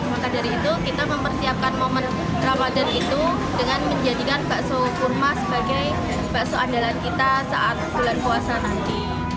maka dari itu kita mempersiapkan momen ramadan itu dengan menjadikan bakso kurma sebagai bakso andalan kita saat bulan puasa nanti